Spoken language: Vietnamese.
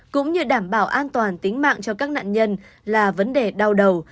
cũng như đảm bảo an toàn tính mạng cho các nạn nhân là vấn đề đau đầu